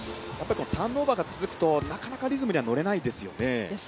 ターンオーバーが続くとなかなかリズムには乗れないですよね。